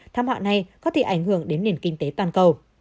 tham hạ này có thể ảnh hưởng đến nền kinh tế toàn cầu